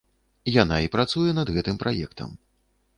Яна і працуе над гэтым праектам.